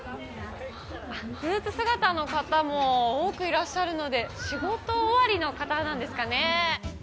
スーツ姿の方も多くいらっしゃるので、仕事終わりの方なんですかね。